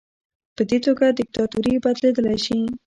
په دې توګه دیکتاتوري بدلیدلی شي.